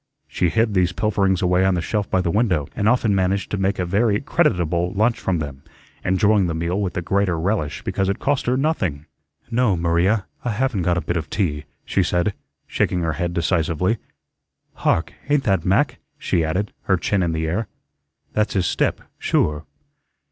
She hid these pilferings away on the shelf by the window, and often managed to make a very creditable lunch from them, enjoying the meal with the greater relish because it cost her nothing. "No, Maria, I haven't got a bit of tea," she said, shaking her head decisively. "Hark, ain't that Mac?" she added, her chin in the air. "That's his step, sure."